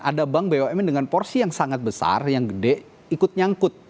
ada bank bumn dengan porsi yang sangat besar yang gede ikut nyangkut